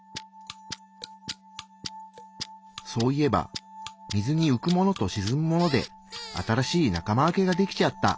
そういえば水にうくものとしずむもので新しい仲間分けができちゃった！